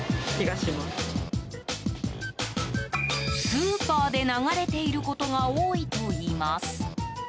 スーパーで流れていることが多いといいます。